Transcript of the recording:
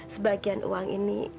sebagian uang ini